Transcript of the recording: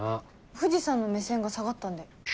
藤さんの目線が下がったんで。